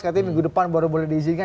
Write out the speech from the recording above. katanya minggu depan baru boleh diizinkan